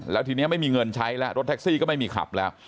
แล้วทีนี้ไม่มีเงินใช้แล้วรถแท็กซี่ก็ไม่มีขับแล้ว